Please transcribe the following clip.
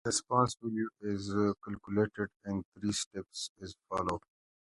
The "response" value is calculated in three steps, as follows.